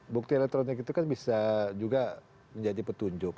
bukti elektronik itu kan bisa juga menjadi petunjuk